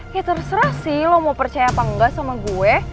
ya terserah sih lo mau percaya apa enggak sama gue